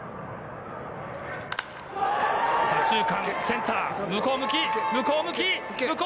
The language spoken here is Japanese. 左中間、センター向こう向き！